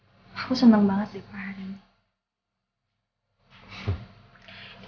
aku seneng banget deh ke hari ini